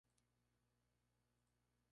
Era un contador Público.